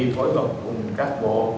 phối hợp cùng các bộ